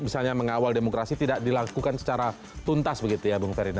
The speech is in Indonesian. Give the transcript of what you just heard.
misalnya mengawal demokrasi tidak dilakukan secara tuntas begitu ya bung ferdinand